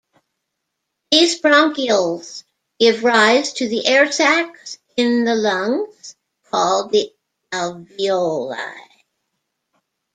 These bronchioles give rise to the air sacs in the lungs called the alveoli.